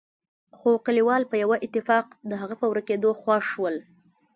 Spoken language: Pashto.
خو کليوال په يوه اتفاق د هغه په ورکېدو خوښ ول.